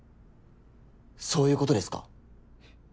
そういうことですか。